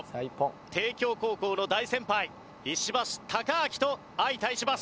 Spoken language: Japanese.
帝京高校の大先輩石橋貴明と相対します。